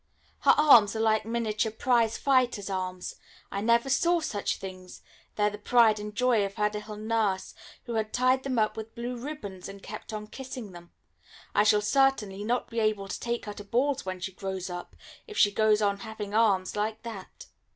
Her arms are like miniature prize fighter's arms I never saw such things; they are the pride and joy of her little nurse, who had tied them up with blue ribbons, and kept on kissing them. I shall certainly not be able to take her to balls when she grows up, if she goes on having arms like that.